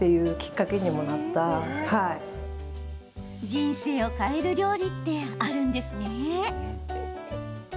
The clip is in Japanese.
人生を変える料理ってあるんですね。